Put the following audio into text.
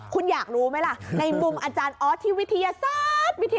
คุณอยากรู้ไหมล่ะในมุมอาจารย์ออสที่วิทยาศาสตร์